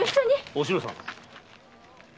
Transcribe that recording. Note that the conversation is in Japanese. お篠さん。